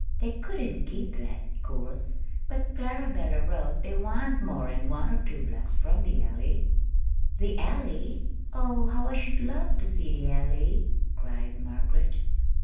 "They couldn't keep that, 'course; but Clarabella wrote they wa'n't more'n one or two blocks from the Alley." "The Alley! Oh, how I should love to see the Alley!" cried Margaret.